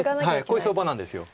これ相場なんです。